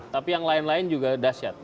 tapi yang lain lain juga dasyat